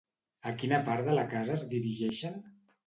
A quina part de la casa es dirigeixen?